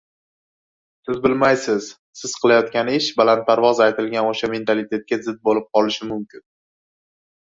Siz bilmaysiz, siz qilayotgan ish balandparvoz aytilgan oʻsha mentalitetga zid boʻlib qolishi mumkin.